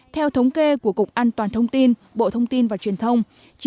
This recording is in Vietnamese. theo thống kê của cục an toàn thông tin bộ thông tin và truyền thông